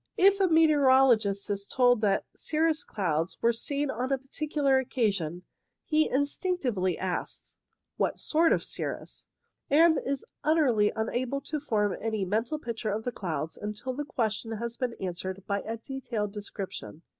If a meteorologist is told that cirrus clouds were seen on a particular occa sion, he instinctively asks — What sort of cirrus ? and is utterly unable to form any mental picture of the clouds until the question has been answered by a detailed description.